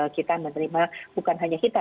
kita menerima bukan hanya kita